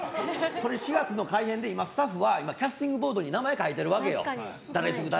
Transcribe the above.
４月の改編でスタッフはキャスティングボードに名前を書いているわけよ。